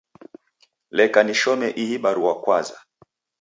Leka nishome ihi barua kwaza